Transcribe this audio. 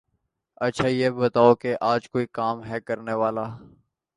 اچھا یہ بتاؤ کے آج کوئی کام ہے کرنے والا؟